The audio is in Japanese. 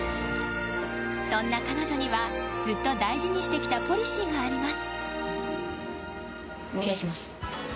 そんな彼女にはずっと大事にしてきたポリシーがあります。